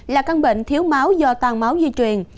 là căn bệnh thiếu máu do tan máu di truyền